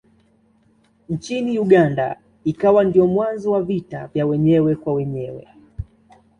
Nchini Uganda ikawa ndiyo mwanzo wa vita vya wenyewe kwa wenyewe.